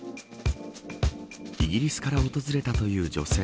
イギリスから訪れたという女性。